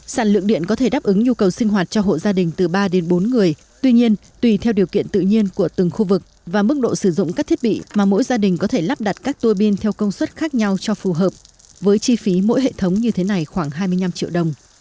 sản lượng điện có thể đáp ứng nhu cầu sinh hoạt cho hộ gia đình từ ba đến bốn người tuy nhiên tùy theo điều kiện tự nhiên của từng khu vực và mức độ sử dụng các thiết bị mà mỗi gia đình có thể lắp đặt các tuôi bin theo công suất khác nhau cho phù hợp với chi phí mỗi hệ thống như thế này khoảng hai mươi năm triệu đồng